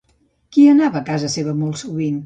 Qui anava a casa seva molt sovint?